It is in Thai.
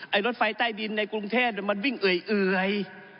รถไฟใต้ดินในกรุงเทพมันวิ่งเอ่ย